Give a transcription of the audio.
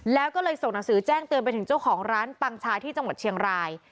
แล้วก็เลยส่งหนังสือแจ้งเตือนไปถึงเจ้าของร้านปังชาที่จังหวัดเชียงราย